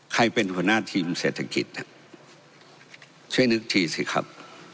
ใครเป็นหัวหน้าทีมเศรษฐกิจช่วยนึกทีสิครับ